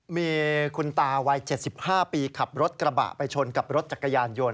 มีคุณตาวัย๗๕ปีขับรถกระบะไปชนกับรถจักรยานยนต์